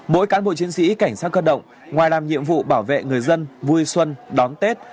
mỗi cán bộ chiến sĩ cảnh sát cơ động ngoài làm nhiệm vụ bảo vệ người dân vui xuân đón tết